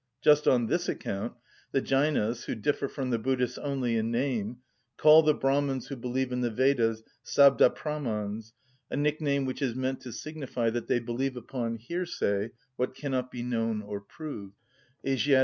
Just on this account the Jainas, who differ from the Buddhists only in name, call the Brahmans who believe in the Vedas Sabdapramans, a nickname which is meant to signify that they believe upon hearsay what cannot be known or proved ("Asiat.